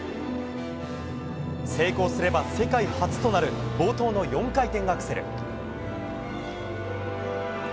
成功すれば世界初となる冒頭の４回転アクセル。